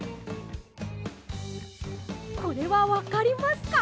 これはわかりますか？